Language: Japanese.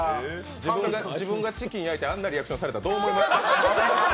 自分がチキン焼いてあんなリアクションされたらどう思いますか？